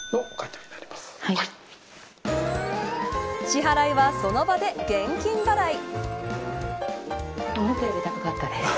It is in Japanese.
支払いはその場で現金払い。